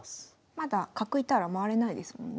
まだ角いたら回れないですもんね。